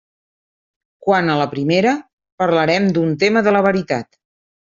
Quant a la primera, parlarem d'un tema de la veritat.